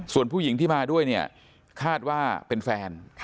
ส่วนผู้หญิงที่มาด้วยเนี่ยคาดว่าเป็นแฟน